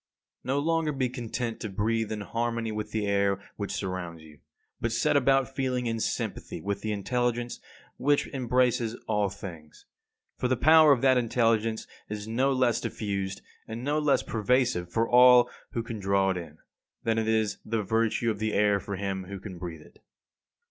54. No longer be content to breathe in harmony with the air which surrounds you; but set about feeling in sympathy with the intelligence which embraces all things. For the power of that intelligence is no less diffused, and no less pervasive for all who can draw it in, than is the virtue of the air for him who can breathe it.